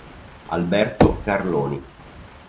Alberto Carloni